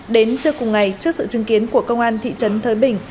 đến trưa cùng ngày trước sự chứng kiến của công an thị trấn thới bình